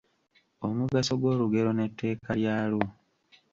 Omugaso gw'olugero n'etteeka lyalwo.